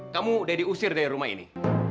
kamu udah diusir dari rumah ini